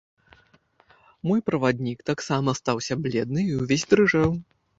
Мой праваднік таксама стаўся бледны і ўвесь дрыжэў.